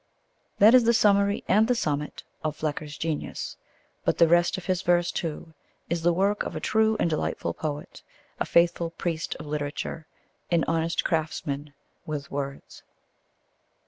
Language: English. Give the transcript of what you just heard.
That is the summary and the summit of Flecker's genius. But the rest of his verse, too, is the work of a true and delightful poet, a faithful priest of literature, an honest craftsman with words.